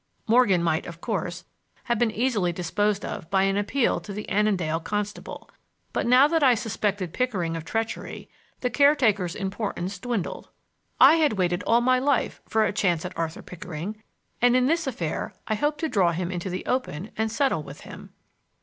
Morgan might, of course, have been easily disposed of by an appeal to the Annandale constable, but now that I suspected Pickering of treachery the caretaker's importance dwindled. I had waited all my life for a chance at Arthur Pickering, and in this affair I hoped to draw him into the open and settle with him.